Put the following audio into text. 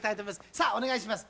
さあお願いします。